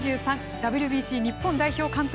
ＷＢＣ日本代表監督